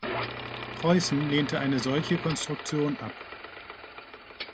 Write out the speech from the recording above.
Preußen lehnte eine solche Konstruktion ab.